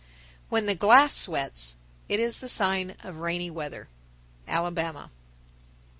When the glass sweats, it is the sign of rainy weather. _Alabama.